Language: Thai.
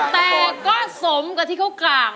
แต่ก็สมกับที่เขากล่าว